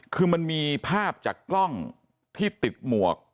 คือมันมีภาพจากกล้องที่ติดหมวก